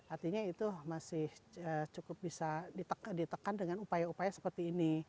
artinya itu masih cukup bisa ditekan dengan upaya upaya seperti ini